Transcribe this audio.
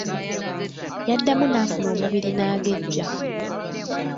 Yaddamu n'afuna omubiri n'agejja.